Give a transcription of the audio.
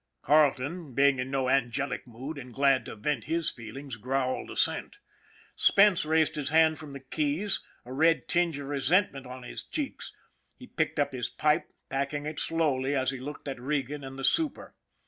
Carleton, being in no angelic mood, and glad to vent his feelings, growled assent. Spence raised his head from the keys, a red tinge of resentment on his cheeks. He picked up his pipe, packing it slowly as he looked at Regan and the super.